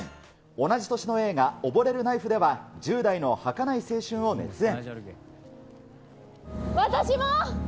同じ年の映画、溺れるナイフでは、１０代のはかない青春を熱演。